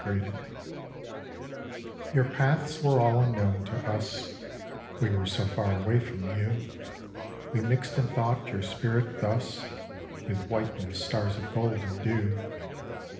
22 Cxr YOUR paths were all unknown to us : We were so far away from you : We mixed in thought your spirit thus With whiteness, stars of gold, and dew.